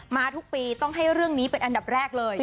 ทุกปีต้องให้เรื่องนี้เป็นอันดับแรกเลย